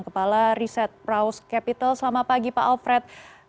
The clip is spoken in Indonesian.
kepala riset praus capital selamat pagi pak alfred